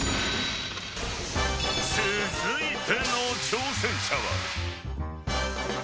［続いての挑戦者は］